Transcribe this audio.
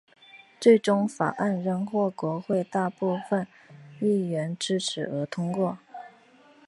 最终法案仍获国会大部份议员支持而通过。